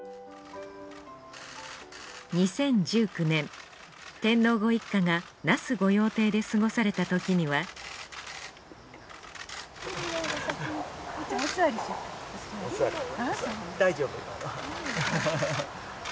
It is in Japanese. ２０１９年天皇ご一家が那須御用邸で過ごされた時には大丈夫。